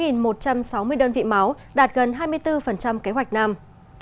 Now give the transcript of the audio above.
thu nhận sáu một trăm sáu mươi đơn vị máu đạt gần hai mươi bốn kế hoạch năm